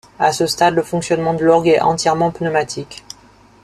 À ce stade, le fonctionnement de l’orgue est entièrement pneumatique.